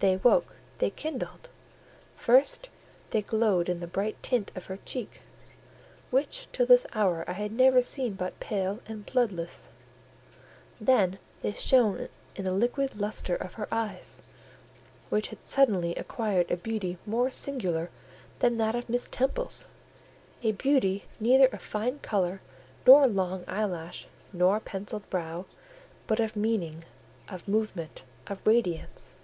They woke, they kindled: first, they glowed in the bright tint of her cheek, which till this hour I had never seen but pale and bloodless; then they shone in the liquid lustre of her eyes, which had suddenly acquired a beauty more singular than that of Miss Temple's—a beauty neither of fine colour nor long eyelash, nor pencilled brow, but of meaning, of movement, of radiance.